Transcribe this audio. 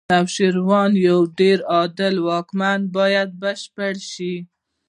نوشیروان یو ډېر عادل واکمن و باید بشپړ شي.